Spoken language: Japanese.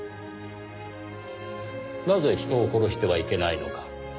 なぜ人を殺してはいけないのか。